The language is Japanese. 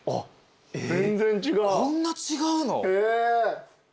こんな違うの？